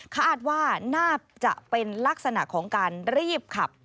คาดว่าน่าจะเป็นลักษณะของการรีบขับ